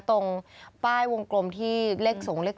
ตรงป้ายวงกลมที่เลข๒เลข๙